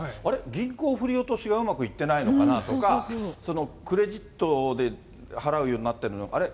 銀行振り落としがうまくいってないのかなとか、クレジットで払うようになってるのに、あれ？